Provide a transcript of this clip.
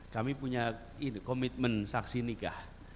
kami punya komitmen saksi nikah